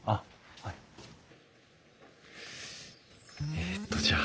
えっとじゃあ。